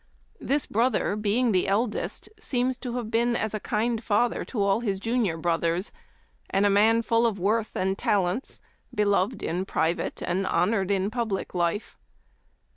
This brother, being the eldest, seems to have been as a kind father to all his junior brothers, and " a man full of worth and talents, beloved in private and hon ; ored in public life."